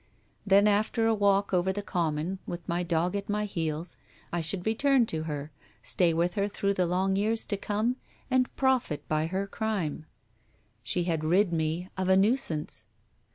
Then after a walk over the common, with my dog at my heels, I should return to her, stay with her through the long years to come, and profit by her crime. She had rid me of a nuisance.